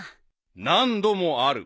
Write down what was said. ［何度もある］